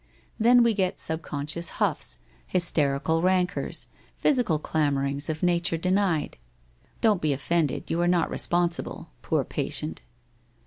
Then we get subconscious huffs, hysterical rancours, physical clamourings of nature denied. Don't be offended, you are not responsible, poor patient!